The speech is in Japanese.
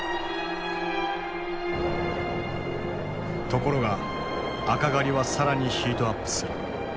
ところが赤狩りは更にヒートアップする。